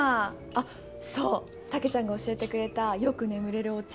あっそうタケちゃんが教えてくれたよく眠れるお茶